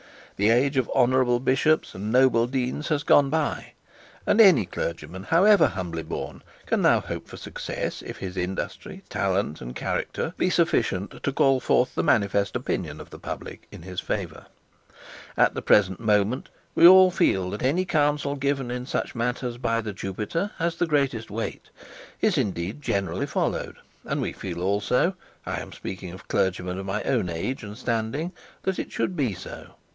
The age of honourable bishops and noble deans has gone by; and any clergyman however humbly born can now hope for success, if his industry, talent, and character, be sufficient to call forth the manifest opinion of the public in his favour. 'At the present moment we all feel that any counsel given in such matters by the Jupiter has the greatest weight, is, indeed, generally followed; and we feel also I am speaking of clergymen of my own age and standing that it should be so.